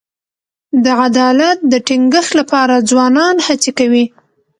د عدالت د ټینګښت لپاره ځوانان هڅې کوي.